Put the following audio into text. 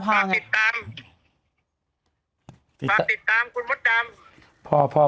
ฝากติดตามคุณโมสดำ